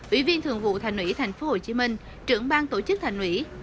ủy viên thường vụ thành nguyễn tp hcm trưởng bang tổ chức thành nguyễn